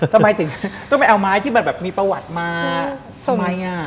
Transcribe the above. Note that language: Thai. ทำไมถึงต้องไปเอาไม้ที่มันแบบมีประวัติมาทำไมอ่ะ